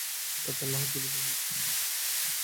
এটা তো আল্লাহর জন্যে সহজ।